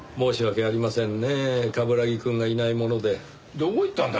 どこ行ったんだ？